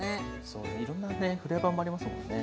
そういろんなねフレーバーもありますもんね。